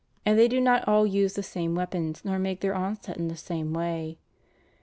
and they do not all use the same weapons nor make their onset in the same way.